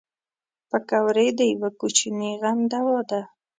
پکورې د یوه کوچني غم دوا ده